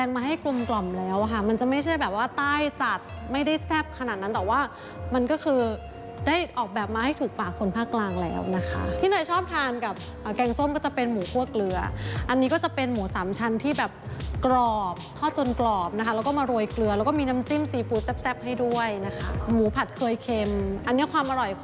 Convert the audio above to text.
มาให้กลมกล่อมแล้วอ่ะค่ะมันจะไม่ใช่แบบว่าใต้จัดไม่ได้แซ่บขนาดนั้นแต่ว่ามันก็คือได้ออกแบบมาให้ถูกปากคนภาคกลางแล้วนะคะที่เนยชอบทานกับแกงส้มก็จะเป็นหมูคั่วเกลืออันนี้ก็จะเป็นหมูสามชั้นที่แบบกรอบทอดจนกรอบนะคะแล้วก็มาโรยเกลือแล้วก็มีน้ำจิ้มซีฟู้ดแซ่บให้ด้วยนะคะหมูผัดเคยเค็มอันนี้ความอร่อยค